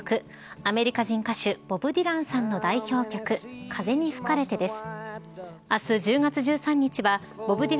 アメリカ人歌手ボブ・ディランさんの代表曲風に吹かれてです。